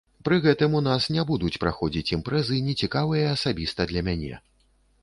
Пры гэтым у нас не будуць праходзіць імпрэзы, не цікавыя асабіста для мяне.